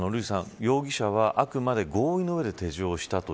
瑠麗さん、容疑者は、あくまで合意の上で手錠をしたと